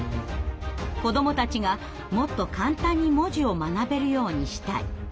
「子どもたちがもっと簡単に文字を学べるようにしたい」。